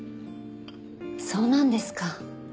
そうなんですか。